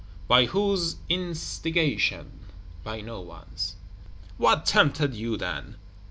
By whose instigation? "By no one's." "What tempted you, then?"